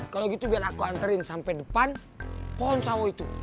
kalau gitu biar aku anterin sampai depan pohon sawo itu